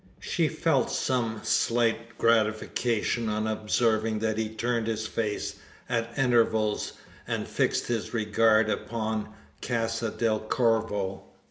She felt some slight gratification on observing that he turned his face at intervals and fixed his regard upon Casa del Corvo.